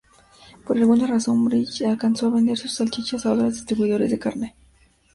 Por alguna razón Briggs alcanzó a vender sus salchichas a otros distribuidores de carne.